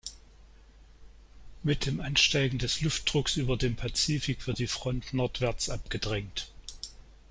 Mit dem Ansteigen des Luftdrucks über dem Pazifik wird die Front nordwärts abgedrängt.